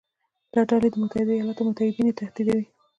دا ډلې د متحده ایالاتو او متحدین یې تهدیدوي.